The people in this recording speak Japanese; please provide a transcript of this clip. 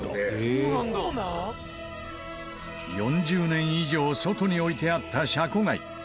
４０年以上外に置いてあったシャコガイ。